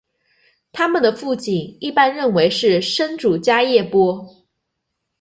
他们的父亲一般认为是生主迦叶波。